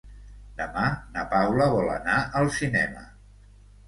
Demà na Paula vol anar al cinema.